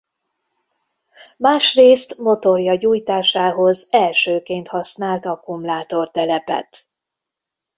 Másrészt motorja gyújtásához elsőként használt akkumulátor telepet.